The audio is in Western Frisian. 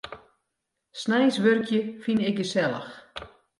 Sneins wurkje fyn ik gesellich.